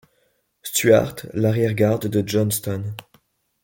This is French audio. Stuart, l'arrière-garde de Johnston.